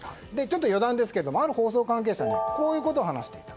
余談ですけどある法曹関係者にこういうことを話していた。